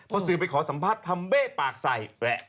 พอสื่อไปขอสัมภาษณ์ทำเบ้ปากใส่